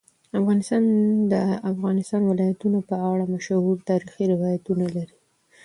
افغانستان د د افغانستان ولايتونه په اړه مشهور تاریخی روایتونه لري.